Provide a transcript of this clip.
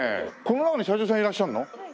この中に社長さんいらっしゃるの？